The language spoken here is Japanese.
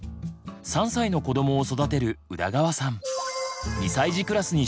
３歳の子どもを育てる宇田川さん。